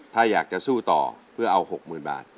ถ้าอยากจะสู้ต่อเพื่อเอา๖๐๐๐บาท